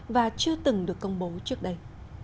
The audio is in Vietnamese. và chưa từng được công bố trước đây